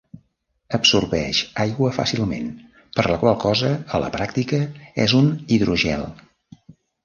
Absorbeix aigua fàcilment, per la qual cosa a la pràctica és un hidrogel.